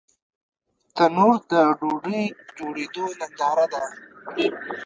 تنور د ډوډۍ جوړېدو ننداره ده